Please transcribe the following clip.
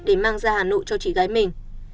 để mang ra hà nội cho chị gái mình